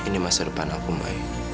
ini masa depan aku baik